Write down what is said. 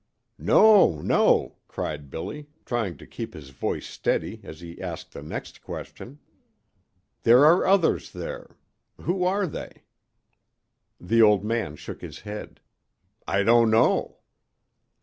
"No, no," cried Billy, trying to keep his voice steady as he asked the next question. "There are others there. Who are they?" The old man shook his head. "I don't know."